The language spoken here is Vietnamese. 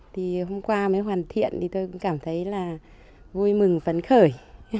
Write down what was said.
thì hôm qua mới hoàn thiện thì tôi cũng cảm thấy là vui mừng phấn khởi